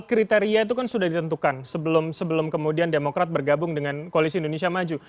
kriteria itu kan sudah ditentukan sebelum kemudian demokrat bergabung dengan koalisi indonesia maju